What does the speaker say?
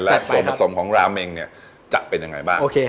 และส่วนผสมของราเมงเนี่ยจะเป็นยังไงบ้าง